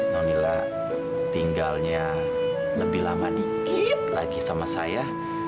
nonila tinggalnya lebih lama dikit lagi sama saya